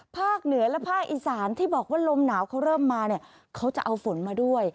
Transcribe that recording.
เหนือและภาคอีสานที่บอกว่าลมหนาวเขาเริ่มมาเนี่ยเขาจะเอาฝนมาด้วย